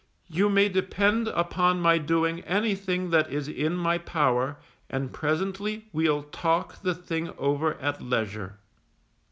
You may depend upon my doing anything that is in my power, and presently we'll talk the thing over at leisure.